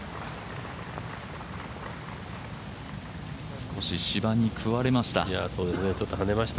少し芝に食われました。